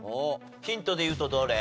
ヒントでいうとどれ？